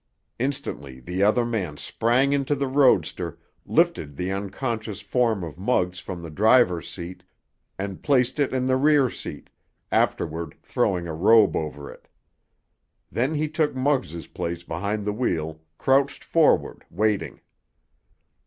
Instantly the other man sprang into the roadster, lifted the unconscious form of Muggs from the driver's seat, and placed it in the rear seat, afterward throwing a robe over it. Then he took Muggs' place behind the wheel, crouched forward, waiting.